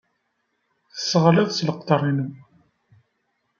Tesseɣliḍ s leqder-nnem.